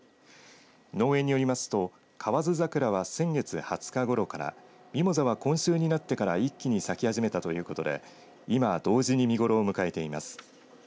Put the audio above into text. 農園によりますと、河津桜は先月２０日ごろからミモザは今週になってから一気に咲き始めたということで今、同時に見頃を迎えています。